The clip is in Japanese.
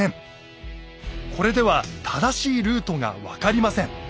これでは正しいルートが分かりません。